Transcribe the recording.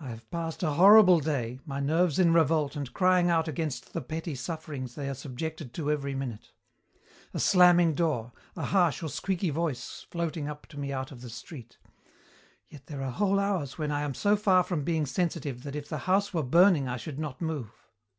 I have passed a horrible day, my nerves in revolt and crying out against the petty sufferings they are subjected to every minute. A slamming door, a harsh or squeaky voice floating up to me out of the street.... Yet there are whole hours when I am so far from being sensitive that if the house were burning I should not move.